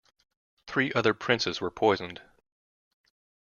Three other princes were poisoned.